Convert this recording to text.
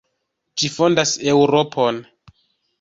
Ĝi fondas Eŭropon.